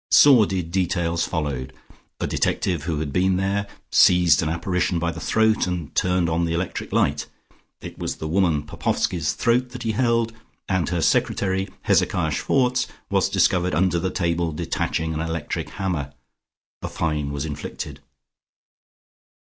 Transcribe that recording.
Sordid details followed: a detective who had been there seized an apparition by the throat, and turned on the electric light. It was the woman Popoffski's throat that he held, and her secretary, Hezekiah Schwarz, was discovered under the table detaching an electric hammer. A fine was inflicted....